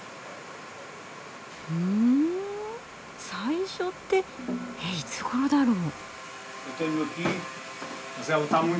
ん最初ってえっいつごろだろう？